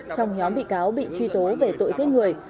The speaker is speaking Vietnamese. trong nhóm bị cáo bị truy tố về tội giết người